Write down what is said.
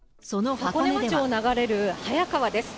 箱根町を流れるはや川です。